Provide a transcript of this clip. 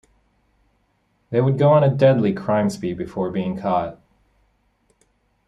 They would go on a deadly crime spree before being caught.